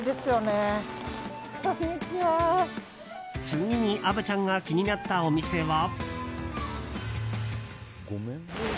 次に虻ちゃんが気になったお店は。